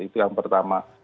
itu yang pertama